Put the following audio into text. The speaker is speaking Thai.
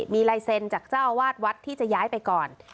มีลายเซ็นจากเจ้าวาดวัดที่จะย้ายไปก่อน